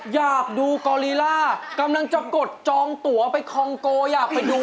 อยากดูกอลีล่ากำลังจะกดจองตัวไปคองโกอยากไปดู